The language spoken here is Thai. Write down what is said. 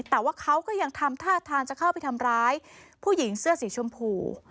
แต่ว่าเขาก็ยังทำท่าทางจะเข้าไปทำร้ายผู้หญิงเสื้อสีชมพู